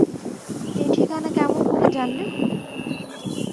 এ ঠিকানা কেমন করে জানলে?